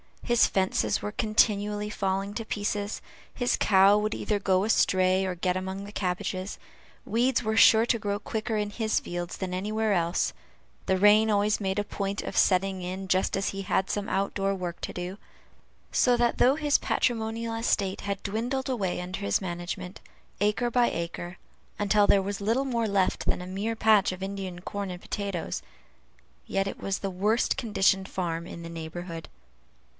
His fences were continually falling to pieces; his cow would either go astray, or get among the cabbages; weeds were sure to grow quicker in his fields than anywhere else; the rain always made a point of setting in just as he had some out door work to do; so that though his patrimonial estate had dwindled away under his management, acre by acre, until there was little more left than a mere patch of Indian corn and potatoes, yet it was the worst conditioned farm in the neighborhood.